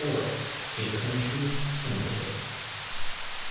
A COUNTRY SUNDAY.